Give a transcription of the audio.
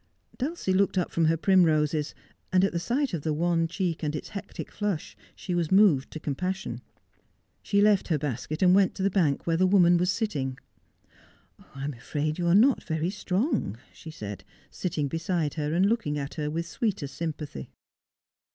Dulcie looked up from her primroses, and at the sight of the wan cheek with its hectic flush she was moved to compassion. She left her basket and went to the bank where the woman was sitting. ' I'm afraid you are not very strong,' she said, sitting beside her, and looking at her with sweetest sympathy.